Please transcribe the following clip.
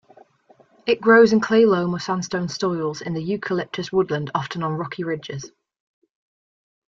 It grows in clay-loam or sandstone soils in "Eucalyptus" woodland, often on rocky ridges.